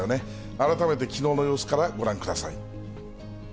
改めてきのうの様子からご覧ください。